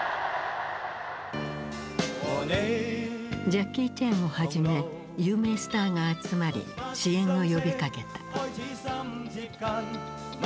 ジャッキー・チェンをはじめ有名スターが集まり支援を呼びかけた。